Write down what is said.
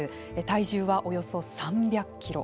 体重はおよそ３００キロ。